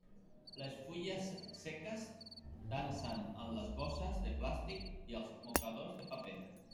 Les fulles seques dansen amb les bosses de plàstic i els mocadors de paper.